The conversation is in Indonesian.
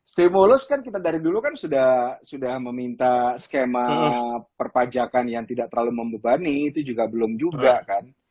stimulus kan kita dari dulu kan sudah meminta skema perpajakan yang tidak terlalu membebani itu juga belum juga kan